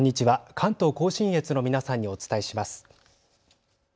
関東甲信越の皆さんにお伝えします。